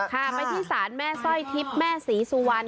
ค่ะไปที่สารแม่สร้อยทิศแม่ศรีสุวรรณ